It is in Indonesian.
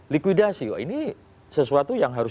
likuidasi kok ini sesuatu yang harus